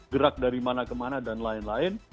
gerak dari mana ke mana dan lain lain